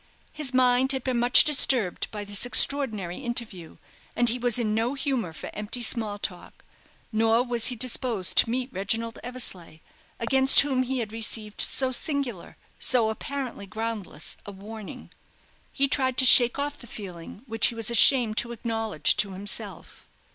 His mind had been much disturbed by this extraordinary interview, and he was in no humour for empty small talk; nor was he disposed to meet Reginald Eversleigh, against whom he had received so singular, so apparently groundless, a warning. He tried to shake off the feeling which he was ashamed to acknowledge to himself.